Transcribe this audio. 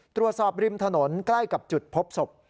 ตรวจสอบริมถนนใกล้กับจุดพบศพ